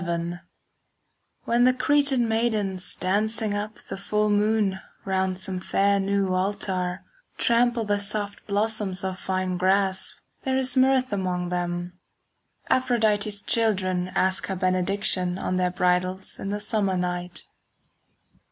XI When the Cretan maidens Dancing up the full moon Round some fair new altar, Trample the soft blossoms of fine grass, There is mirth among them. 5 Aphrodite's children Ask her benediction On their bridals in the summer night.